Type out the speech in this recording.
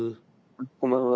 こんばんは。